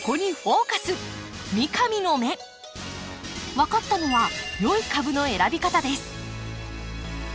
分かったのは良い株の選び方です。